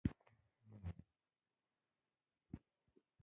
• د ښارونو پرمختګ د برېښنا پورې تړلی دی.